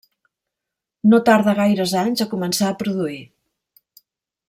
No tarda gaires anys a començar a produir.